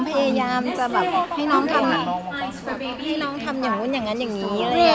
พยายามจะแบบให้น้องทำอย่างนั้นอย่างนั้นอย่างนี้เลย